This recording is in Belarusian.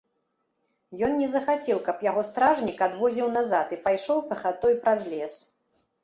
Ён не захацеў, каб яго стражнік адвозіў назад, і пайшоў пехатой праз лес.